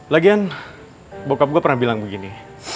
lagian bokap gue pernah bilang begini